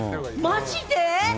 マジで？